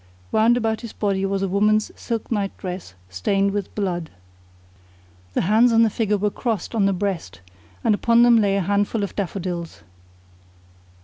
Wound about his body was a woman's silk night dress stained with blood. The hands of the figure were crossed on the breast and upon them lay a handful of daffodils.